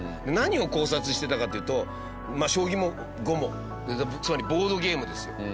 何を考察してたかというと将棋も碁もつまりボードゲームですよ。